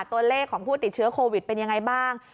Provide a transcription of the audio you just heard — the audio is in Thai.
ตัวเลขของผู้ติดเชื้อโควิดเป็นยังไงบ้าง